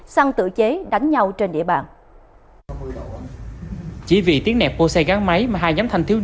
xăng tự chế đánh bệnh